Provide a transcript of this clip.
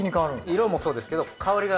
色もそうですけど香りが。